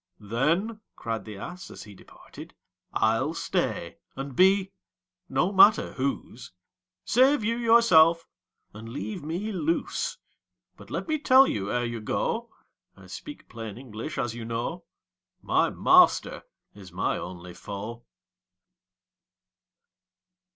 "Then," cried the ass, as he departed "I'll stay, and be no matter whose; Save you yourself, and leave me loose But let me tell you, ere you go, (I speak plain English, as you know,) My master is my only foe."